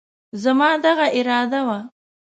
زما دغه اراده وه،